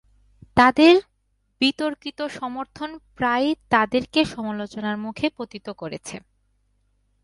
তাদের বিতর্কিত সমর্থন প্রায়ই তাদেরকে সমালোচনার মুখে পতিত করেছে।